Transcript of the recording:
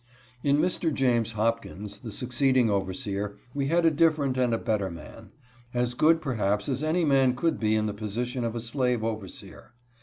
In Mr. James Hopkins, the succeeding overseer, we had a different and a better man; as good perhaps as any man could be in the position of a slave overseer.